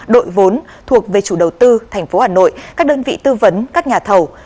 đội vốn thuộc về chủ đầu tư thành phố hà nội các đơn vị tư vấn các nhà thầu